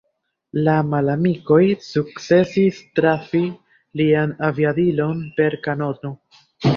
La malamikoj sukcesis trafi lian aviadilon per kanono.